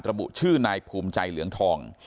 ระบุชื่อนายภูมิใจเหลืองทอง